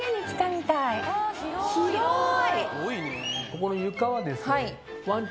広い！